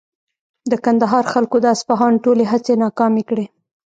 د کندهار خلکو د اصفهان ټولې هڅې ناکامې کړې.